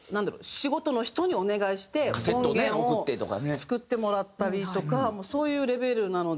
仕事の人にお願いして音源を作ってもらったりとかそういうレベルなので。